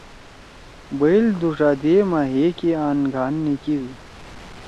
بئیل دُو ڇا دیِا ما ہئے کی آن گھان نیِکیِدُو۔